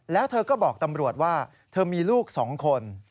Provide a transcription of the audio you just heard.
แล้วเธอก็บอกตำรวจว่าเธอมีลูก๒คน